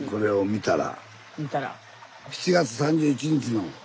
見たら。